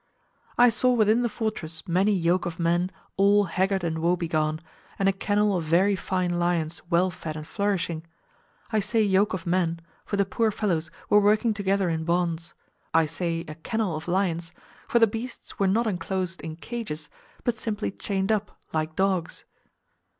I saw within the fortress many yoke of men all haggard and woebegone, and a kennel of very fine lions well fed and flourishing: I say yoke of men, for the poor fellows were working together in bonds; I say a kennel of lions, for the beasts were not enclosed in cages, but simply chained up like dogs.